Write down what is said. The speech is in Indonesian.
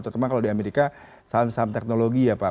terutama kalau di amerika salam salam teknologi ya pak